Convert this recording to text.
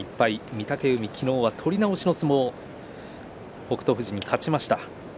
御嶽海は昨日取り直しの相撲北勝富士に勝ちました。